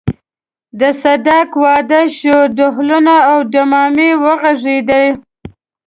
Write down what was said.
د صدک واده شو ډهلونه او ډمامې وغږېدې.